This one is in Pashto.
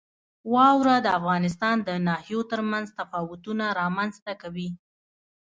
واوره د افغانستان د ناحیو ترمنځ تفاوتونه رامنځ ته کوي.